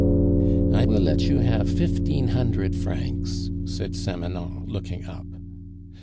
"I will let you have fifteen hundred francs," said Samanon, looking up.